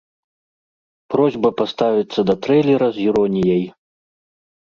Просьба паставіцца да трэйлера з іроніяй.